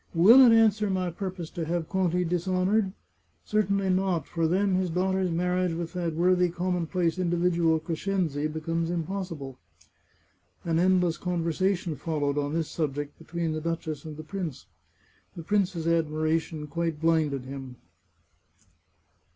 " Will it answer my purpose to have Conti dishonoured ? Certainly not, for then his daughter's marriage with that worthy commonplace individual Crescenzi becomes impos sible." An endless conversation followed on this subject be tween the duchess and the prince. The prince's admiration 481 The Chartreuse of Parma quite blinded him.